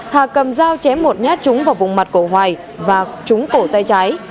hà cầm dao chém một nhát trúng vào vùng mặt cổ hoài và trúng cổ tay trái